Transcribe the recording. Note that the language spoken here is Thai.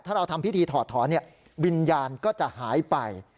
ถ้าเราทำพิธีถอดถอนวิญญาณก็จะหายไป